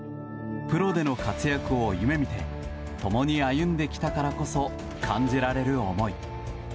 プロでの活躍を夢見て共に歩んできたからこそ感じられる思い。